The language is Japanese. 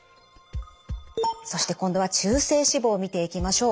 そして今度は中性脂肪見ていきましょう。